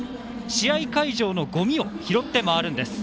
試合会場のごみを拾って回るんです。